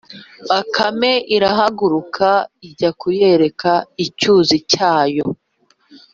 bakame irahaguruka ijya kuyereka icyuzi cyayo